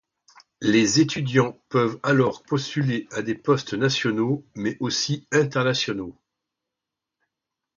Les étudiants peuvent alors postuler à des postes nationaux mais aussi internationaux.